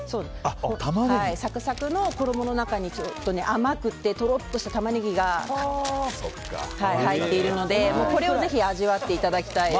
サクサクの衣の中に甘くて、とろっとしたタマネギが入っているのでこれをぜひ味わっていただきたい。